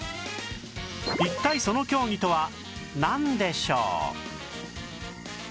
一体その競技とはなんでしょう？